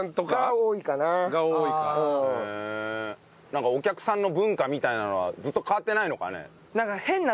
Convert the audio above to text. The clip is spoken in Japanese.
なんかお客さんの文化みたいなのはずっと変わってないのかね？